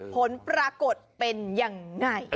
ผลปรากฏเป็นอย่างไร